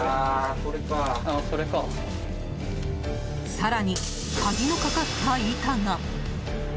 更に、鍵のかかった板が。